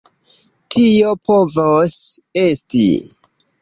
Tio povos esti.